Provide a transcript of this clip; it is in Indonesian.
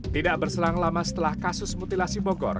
tidak berselang lama setelah kasus mutilasi bogor